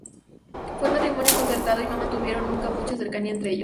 Fue un matrimonio concertado y no mantuvieron nunca mucha cercanía entre ellos.